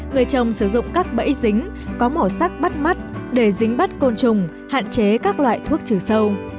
người trồng sử dụng các bẫy dính có màu sắc bắt mắt để dính bắt côn trùng hạn chế các loại thuốc trừ sâu